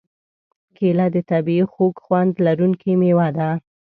کېله د طبعیي خوږ خوند لرونکې مېوه ده.